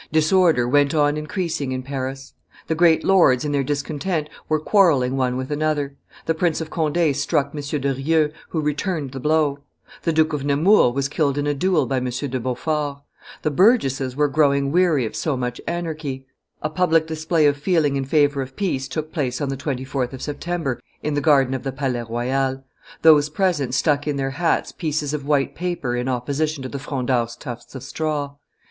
Disorder went on increasing in Paris; the great lords, in their discontent, were quarrelling one with another; the Prince of Conde struck M. de Rieux, who returned the blow; the Duke of Nemours was killed in a duel by M. de Beaufort; the burgesses were growing weary of so much anarchy; a public display of feeling in favor of peace took place on the 24th of September in the garden of the Palais Royal; those present stuck in their hats pieces of white paper in opposition to the Frondeurs' tufts of straw.